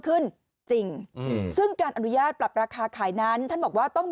ขึ้นจริงอืมซึ่งการอนุญาตปรับราคาขายนั้นท่านบอกว่าต้องมี